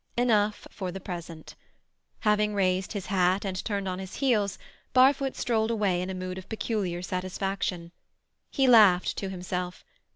Enough for the present. Having raised his hat and turned on his heels, Barfoot strolled away in a mood of peculiar satisfaction. He laughed to himself.